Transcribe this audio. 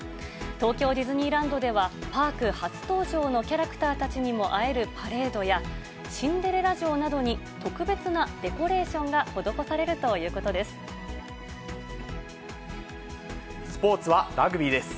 東京ディズニーランドでは、パーク初登場のキャラクターたちにも会えるパレードや、シンデレラ城などに特別なデコレーションが施されるということでスポーツはラグビーです。